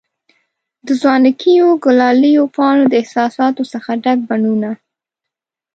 د ځوانکیو، ګلالیو پانو د احساساتو څخه ډک بڼوڼه